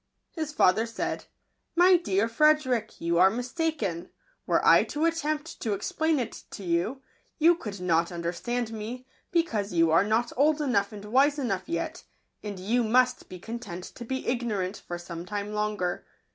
His father said, | u My dear Frederick, you are mistaken. Were |! I to attempt to explain it to you, you could not §[ understand me, because you are not old enough §[ and wise enough yet; and you must be content to be ignorant for some time longer.